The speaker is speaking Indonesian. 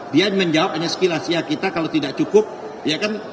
dia menjawab hanya sekilasia kita kalau tidak cukup ya kan